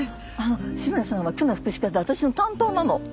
志村さんは区の福祉課で私の担当なの。